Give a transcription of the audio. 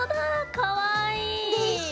かわいい！でしょ。